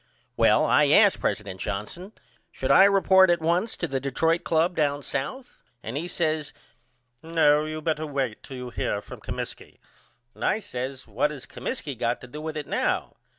Well I asked president Johnson should I report at once to the Detroit Club down south and he says No you better wait till you hear from Comiskey and I says What has Comiskey got to do with it now?